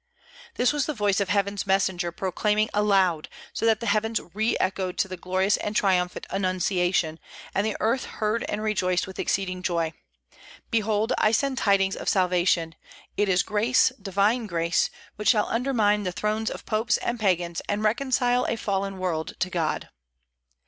This was the voice of heaven's messenger proclaiming aloud, so that the heavens re echoed to the glorious and triumphant annunciation, and the earth heard and rejoiced with exceeding joy, "Behold, I send tidings of salvation: it is grace, divine grace, which shall undermine the throne of popes and pagans, and reconcile a fallen world to God!"